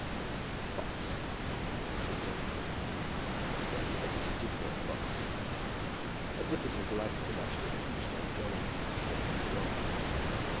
"Old fox," said Mr. Toogood; "but then such a stupid old fox! As if it was likely that I should have peached on Johnny if anything was wrong."